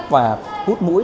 và hút mũi